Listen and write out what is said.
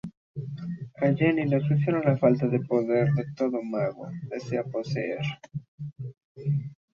A Jenny le obsesiona la falta del poder que todo mago desea poseer.